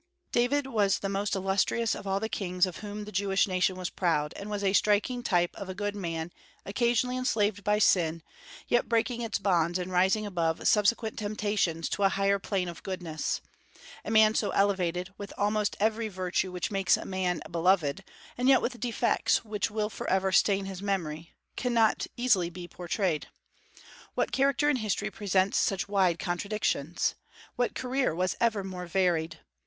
David was the most illustrious of all the kings of whom the Jewish nation was proud, and was a striking type of a good man occasionally enslaved by sin, yet breaking its bonds and rising above subsequent temptations to a higher plane of goodness. A man so elevated, with almost every virtue which makes a man beloved, and yet with defects which will forever stain his memory, cannot easily be portrayed. What character in history presents such wide contradictions? What career was ever more varied?